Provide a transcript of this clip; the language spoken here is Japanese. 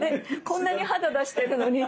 こんなに肌出してるのに。